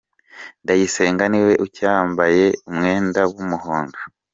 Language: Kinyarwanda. Ndayisenga ni we ucyambaye umwenda w’umuhondo